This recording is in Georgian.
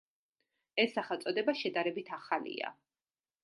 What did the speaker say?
ეს სახელწოდება შედარებით ახალია.